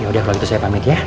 yaudah kalau gitu saya pamit ya